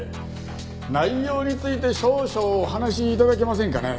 内容について少々お話し頂けませんかね？